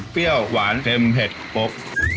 เปรี้ยวหวานเพ็มเผ็ดปก